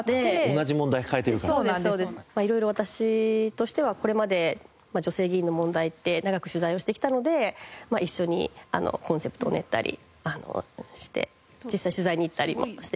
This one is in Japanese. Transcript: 色々私としてはこれまで女性議員の問題って長く取材をしてきたので一緒にコンセプトを練ったりして実際取材に行ったりもしてきました。